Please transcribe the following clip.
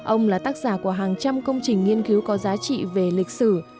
ông là tác giả của hàng trăm công trình nghiên cứu có giá trị về lịch sử